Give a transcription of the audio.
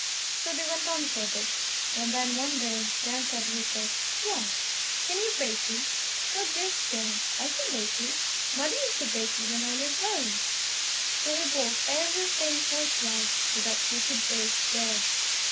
So they went on for a bit, and then, one day, Jan said to his wife, "Wife can you bake y?" "Oh, yes, Jan, I can bake y. Mother used to bake y when I lived home." So he bought everything for his wife so that she could bake bread.